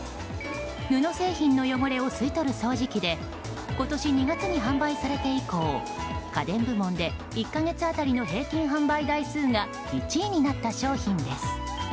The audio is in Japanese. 布製品の汚れを吸い取る掃除機で今年２月に販売されて以降家電部門で１か月当たりの平均販売台数が１位になった商品です。